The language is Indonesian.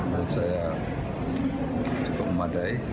menurut saya cukup memadai